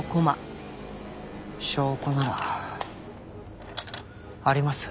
証拠ならあります。